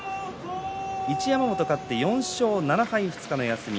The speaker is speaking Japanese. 一山本、勝って４勝７敗２日の休み。